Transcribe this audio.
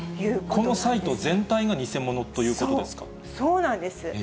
このサイト全体が偽物というそうなんです。